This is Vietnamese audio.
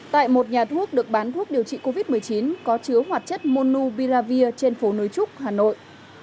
tại một nhà thuốc được bán thuốc điều trị covid một mươi chín có chứa hoạt chất monu biravir trên phố nối trúc hà nội